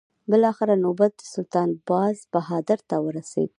بالاخره نوبت سلطان باز بهادر ته ورسېد.